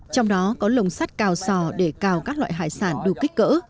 trong đó có lồng sắt cào sò để cào các loại hải sản đủ kích cỡ